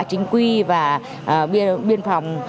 chính quy và biên phòng